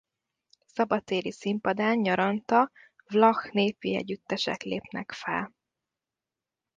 Szabadtéri színpadán nyaranta vlach népi együttesek lépnek fel.